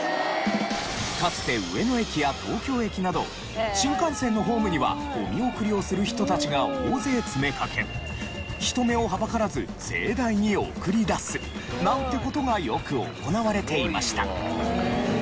かつて上野駅や東京駅など新幹線のホームにはお見送りをする人たちが大勢詰めかけ人目をはばからず盛大に送り出すなんて事がよく行われていました。